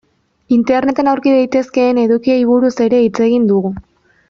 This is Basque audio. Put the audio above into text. Interneten aurki daitezkeen edukiei buruz ere hitz egin dugu.